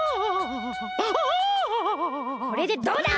これでどうだ！？